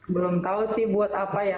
belum tahu sih buat apa ya